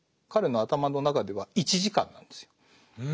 彼の頭の中では１時間なんですよ。